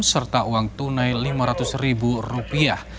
serta uang tunai lima ratus ribu rupiah